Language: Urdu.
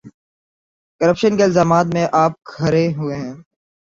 کرپشن کے الزامات میں آپ گھرے ہوں۔